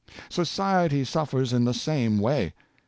Society suffers in the same way.